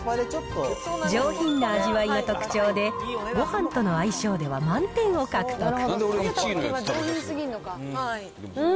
上品な味わいが特徴で、ごはんとの相性では満点を獲得。